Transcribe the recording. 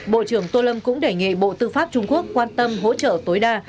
bộ trưởng tô lâm cũng đề nghị bộ tư pháp trung quốc quan tâm hỗ trợ tối đa